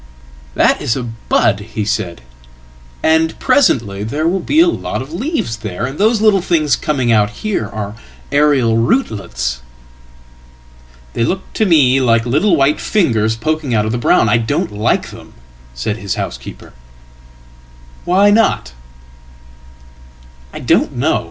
"That is a bud," he said, "and presently there will be a lot of leavesthere, and those little things coming out here are aerial rootlets.""They look to me like little white fingers poking out of the brown," saidhis housekeeper. "I don't like them.""Why not?""I don't know.